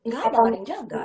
gak ada yang jaga